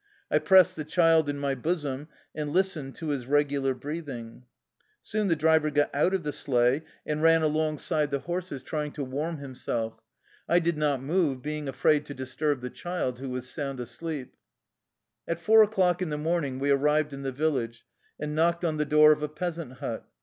I pressed the child in my bosom, and listened to his regular breathing. Soon the driver got out of the sleigh and ran alongside the horses 118 THE LIFE STORY OF A RUSSIAN EXILE trying to warm himself. I did not move, being afraid to disturb the child, who was sound asleep. At four o'clock in the morning we arrived in the village, and knocked on the door of a peasant hut.